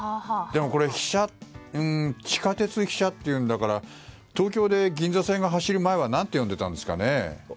でも、これ地下鉄飛車っていうんだから東京で銀座線が走る前は何てんでたんでしょうね？